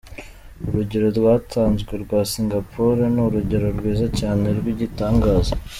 Urugero rwatanzwe rwa Singapore, ni urugero rwiza cyane rw’igitangaza.